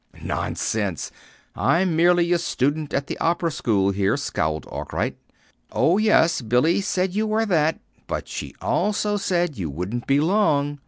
"Nonsense! I'm merely a student at the Opera School here," scowled Arkwright. "Oh, yes, Billy said you were that, but she also said you wouldn't be, long.